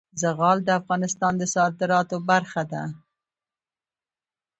زغال د افغانستان د صادراتو برخه ده.